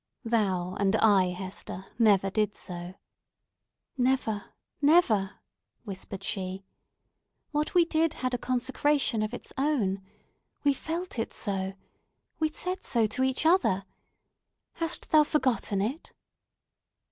Thou and I, Hester, never did so!" "Never, never!" whispered she. "What we did had a consecration of its own. We felt it so! We said so to each other. Hast thou forgotten it?"